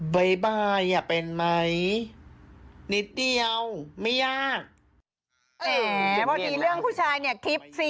บ๊ายบายอ่ะเป็นไหมนิดเดียวไม่ยาก